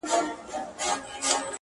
• د پيل ورځ بيا د پرېکړې شېبه راځي ورو..